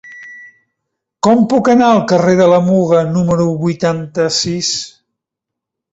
Com puc anar al carrer de la Muga número vuitanta-sis?